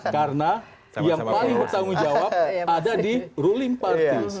karena yang paling bertanggung jawab ada di ruling parties